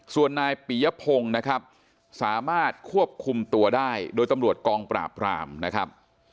ส่วนนายปียพงศ์นะครับสามารถควบคุมตัวได้โดยตำรวจกองปราบรามนะครับ